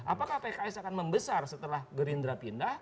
apakah pks akan membesar setelah gerindra pindah